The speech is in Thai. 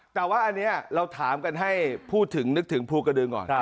แต่ว่าอันนี้เราถามกันให้พูดถึงนึกถึงภูกระดึงก่อน